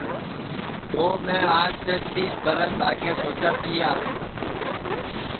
یو میں آج سے تیس برس آگے سوچا تیا